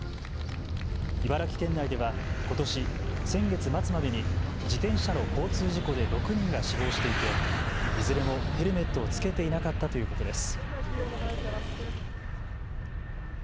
茨城県内ではことし先月末までに自転車の交通事故で６人が死亡していていずれもヘルメットを着けていなかったということです。